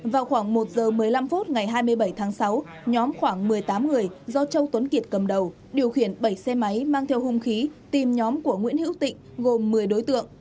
vào khoảng một giờ một mươi năm phút ngày hai mươi bảy tháng sáu nhóm khoảng một mươi tám người do châu tuấn kiệt cầm đầu điều khiển bảy xe máy mang theo hung khí tìm nhóm của nguyễn hữu tịnh gồm một mươi đối tượng